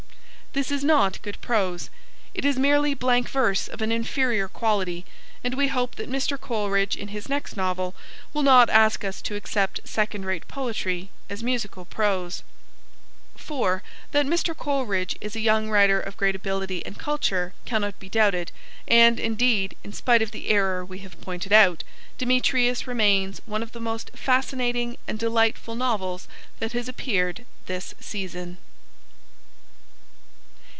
This is not good prose; it is merely blank verse of an inferior quality, and we hope that Mr. Coleridge in his next novel will not ask us to accept second rate poetry as musical prose. For, that Mr. Coleridge is a young writer of great ability and culture cannot be doubted and, indeed, in spite of the error we have pointed out, Demetrius remains one of the most fascinating and delightful novels that has appeared this season.